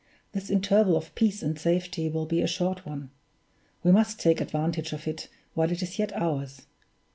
This interval of peace and safety will be a short one we must take advantage of it while it is yet ours.